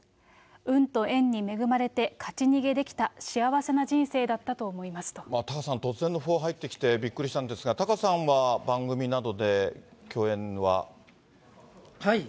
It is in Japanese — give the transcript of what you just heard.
運と縁に恵まれて、勝ち逃げできタカさん、突然の訃報入ってきて、びっくりしたんですが、タカさんは、番組などで共演は？